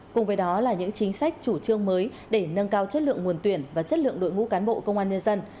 cùng với đó là những chính sách chủ trương mới để nâng cao chất lượng nguồn tuyển và chất lượng đội ngũ cán bộ công an nhân dân